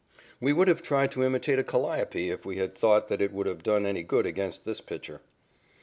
We would have tried to imitate a calliope if we had thought that it would have done any good against this pitcher.